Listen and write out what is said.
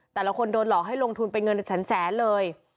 แต่ละคนโดนหลอกให้ลงทุนเป็นเงินแสนเลย